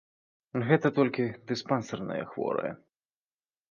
Гэта толькі дыспансерныя хворыя.